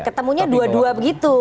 ketemunya dua dua begitu